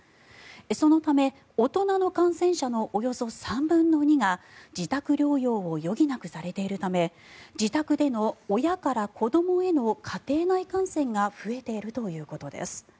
そのため、大人の感染者のおよそ３分の２が自宅療養を余儀なくされているため自宅での親から子どもへの家庭内感染が増えているということです。